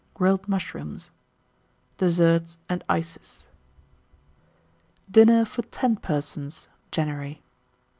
Grilled Mushrooms. DESSERT AND ICES. 1889. DINNER FOR 10 PERSONS (January).